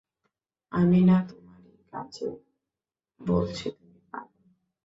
আমি না, তোমার কাজই বলছে তুমি পাগল।